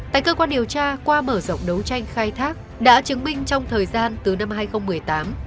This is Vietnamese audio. tại cơ quan điều tra qua mở rộng đấu tranh khai thác đã chứng minh trong thời gian từ năm hai nghìn một mươi tám